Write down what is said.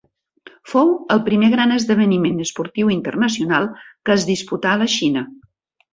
Fou el primer gran esdeveniment esportiu internacional que es disputà a la Xina.